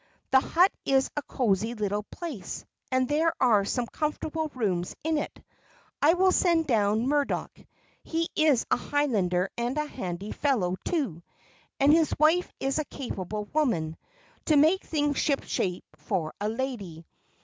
The Hut is a cosy little place, and there are some comfortable rooms in it. I will send down Murdoch he is a Highlander and a handy fellow, too, and his wife is a capable woman to make things ship shape for a lady.